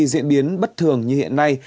diễn biến bất thường như hiện nay